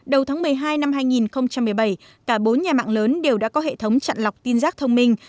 đầu tháng một mươi hai năm hai nghìn một mươi bảy cả bốn nhà mạng lớn đều đã có hệ thống chặn lọc tin rác thông minh